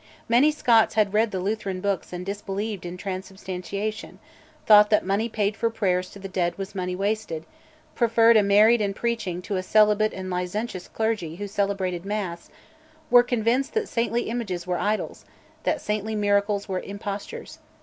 Many Scots had read the Lutheran books and disbelieved in transubstantiation; thought that money paid for prayers to the dead was money wasted; preferred a married and preaching to a celibate and licentious clergy who celebrated Mass; were convinced that saintly images were idols, that saintly miracles were impostures.